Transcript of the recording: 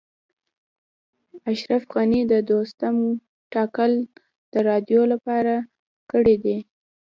اشرف غني د دوستم ټاکل د رایو لپاره کړي دي